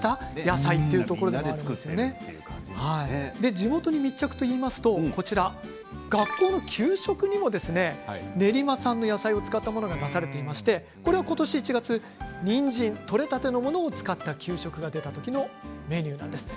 地元に密着といいますと学校給食にも練馬産の野菜を使ったものが出されていまして今年１月にんじん取れたてのものを使ったものが出た時の給食です。